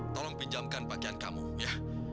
tolong pinjamkan pakaian kamu ya